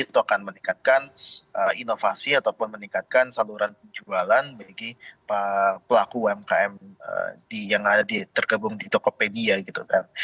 jadi itu akan meningkatkan inovasi ataupun meningkatkan saluran penjualan bagi pelaku umkm yang ada tergabung di tokopedia gitu kan